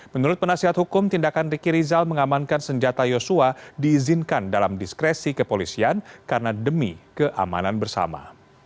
menurut penasihat hukum tindakan riki rizal mengamankan senjata yosua diizinkan dalam diskresi kepolisian karena demi keamanan bersama